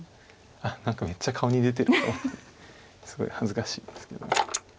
何かめっちゃ顔に出てると思ってすごい恥ずかしいんですけども。